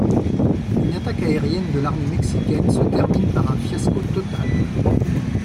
Une attaque aérienne de l'armée mexicaine se termine par un fiasco total.